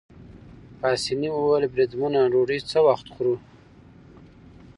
پاسیني وویل: بریدمنه ډوډۍ څه وخت خورو؟